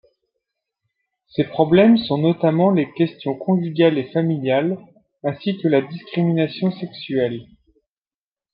Ces problèmes sont notamment les questions conjugales et familiales ainsi que la discrimination sexuelle.